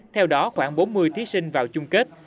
theo đó khoảng bốn mươi thí sinh vào chung kết